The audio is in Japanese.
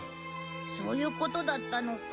そういうことだったのか。